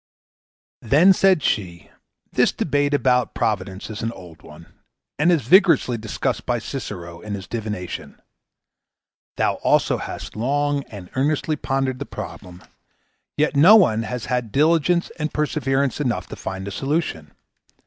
Then said she: 'This debate about providence is an old one, and is vigorously discussed by Cicero in his "Divination"; thou also hast long and earnestly pondered the problem, yet no one has had diligence and perseverance enough to find a solution.